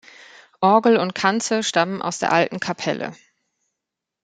Orgel und Kanzel stammen aus der alten Kapelle.